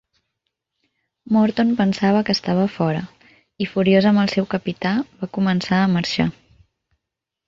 Morton pensava que estava fora i, furiós amb el seu capità, va començar a marxar.